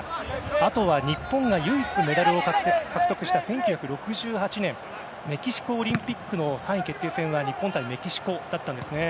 あとは、日本が唯一、メダルを獲得した１９６８年、メキシコオリンピックの３位決定戦は日本対メキシコだったんですね。